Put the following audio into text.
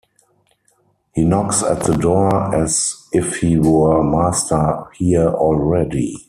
He knocks at the door as if he were master here already!